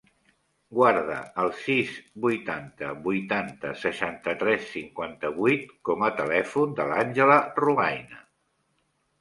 Guarda el sis, vuitanta, vuitanta, seixanta-tres, cinquanta-vuit com a telèfon de l'Àngela Robayna.